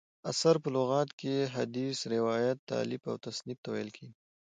اثر: په لغت کښي حدیث، روایت، تالیف او تصنیف ته ویل کیږي.